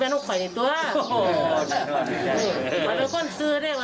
แล้วบอกร้านน้อยว่าสายอยู่นี่เลยล่ะ